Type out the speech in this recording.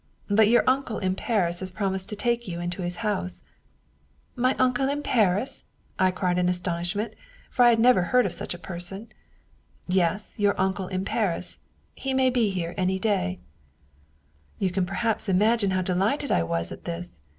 But your uncle in Paris has promised to take you into his house/ ' My uncle in Paris ?' I cried in aston ishment, for I had never heard of any such person. ' Yes, your uncle in Paris. He may be here any day/ " You can perhaps imagine how delighted I was at this.